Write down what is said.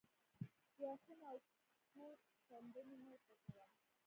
ګواښونه او ګوت څنډنې مه ورته کاوه